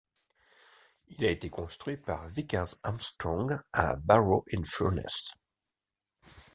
Il a été construit par Vickers-Armstrongs à Barrow-in-Furness.